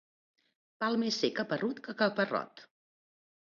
Val més ser caparrut que caparrot.